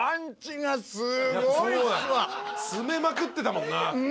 詰めまくってたもんな。